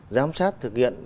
giám sát thực hiện